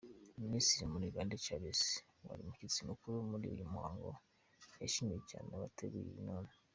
Minisitiri Murigande Charles wari umushyitsi mukuru muri uyu muhango, yashimye cyane abateguye iyi nama.